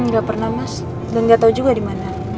gak pernah mas dan gak tau juga dimana